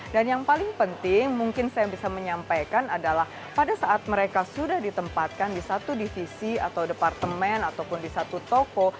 yang paling penting mungkin saya bisa menyampaikan adalah pada saat mereka sudah ditempatkan di satu divisi atau departemen ataupun di satu toko